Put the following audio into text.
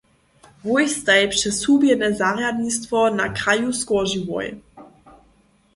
Wój staj přez hubjene zarjadnistwo na kraju skoržiłoj.